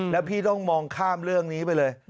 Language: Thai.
แล้วพี่ต้องมองข้ามเรื่องนี้ไปเลย